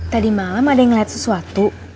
tadi malam ada yang ngeliat sesuatu